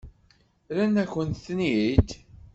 Rran-akent-ten-id?